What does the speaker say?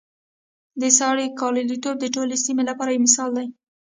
د سارې ګلالتوب د ټولې سیمې لپاره یو مثال دی.